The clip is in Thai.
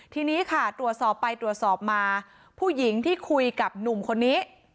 ทีนี้ค่ะตรวจสอบไปตรวจสอบมาผู้หญิงที่คุยกับหนุ่มคนนี้